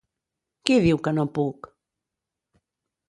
Qui diu que no puc?